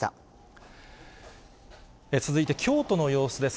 続いて京都の様子です。